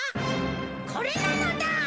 これなのだ！